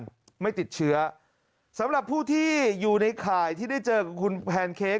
ไม่ติดเชื้อสำหรับผู้ที่อยู่ในข่ายที่ได้เจอกับคุณแพนเค้ก